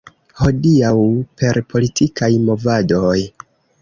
Hodiaŭ per politikaj movadoj.